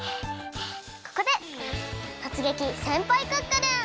ここで「とつげき！せんぱいクックルン！」。